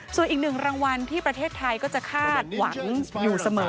ส่วนอีกหนึ่งรางวัลที่ประเทศไทยก็จะคาดหวังอยู่เสมอ